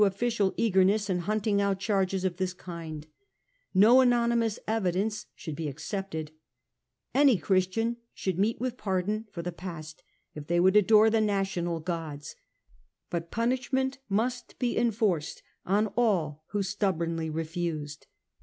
official eagerness in hunting out charges of this kind ; no anonymous evidence should be accepted ; any Christians should meet with pardon for the past if they would adore the national gods ; but punishment must be enforced on all who stubbornly refused.